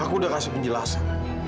aku udah kasih penjelasan